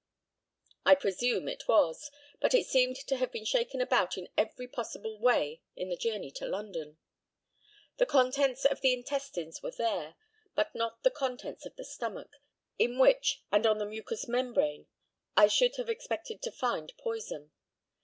I presume it was; but it seemed to have been shaken about in every possible way in the journey to London. The contents of the intestines were there, but not the contents of the stomach, in which and on the mucous membrane I should have expected to find poison.